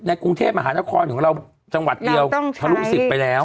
ในกรุงเทพฯมหานครของเราจังหวัดเดียวเราต้องใช้ทะลุสิบไปแล้ว